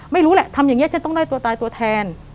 ไม่รู้แหละทำอย่างนี้จะต้องได้ตัวตายตัวแทน